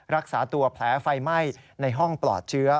รักษาตัวแผลไฟไหม้ในห้องปลอดเชื้อ